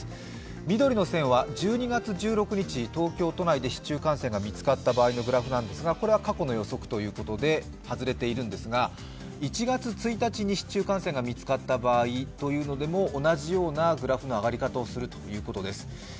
緑の線は１２月１６日、東京都内で市中感染が見つかった場合の予測なんですがこれは過去の予測ということで外れているんですが１月１日に市中感染が見つかった場合でも同じようなグラフの上がり方をするということです。